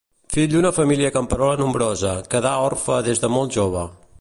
Fill d'una família camperola nombrosa, quedà orfe des de molt jove.